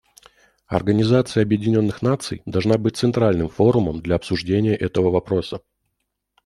Организация Объединенных Наций должна быть центральным форумом для обсуждения этого вопроса.